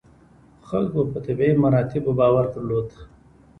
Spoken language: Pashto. خلکو په طبیعي مراتبو باور درلود.